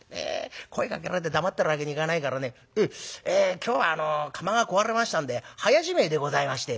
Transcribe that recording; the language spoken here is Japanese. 声かけられて黙ってるわけにいかないからね『今日はあの釜が壊れましたんで早じめえでございまして』。